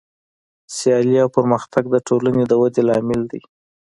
سیالي او پرمختګ د ټولنې د ودې لامل دی.